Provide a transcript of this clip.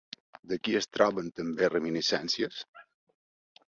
De qui es troben també reminiscències?